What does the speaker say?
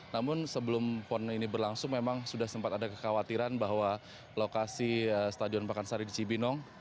namun sebelum pon ini berlangsung memang sudah sempat ada kekhawatiran bahwa lokasi stadion pakansari di cibinong